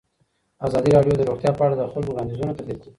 ازادي راډیو د روغتیا په اړه د خلکو وړاندیزونه ترتیب کړي.